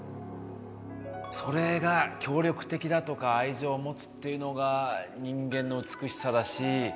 それが協力的だとか愛情を持つっていうのが人間の美しさだし。